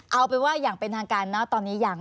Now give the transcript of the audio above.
เอาเป็นว่าอย่างเป็นทางการนะตอนนี้ยัง